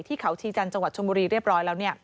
ที่เขาชีจันทร์จังหวัดชนบุรีเรียบร้อยแล้ว